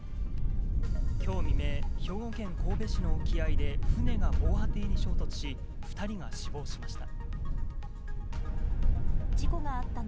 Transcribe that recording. きょう未明、兵庫県神戸市の沖合で船が防波堤に衝突し、２人が死亡しました。